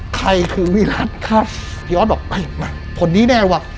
ใครคือวิรัติครับพี่อ๊อตบอกเห็นไหมผลนี้แน่วะ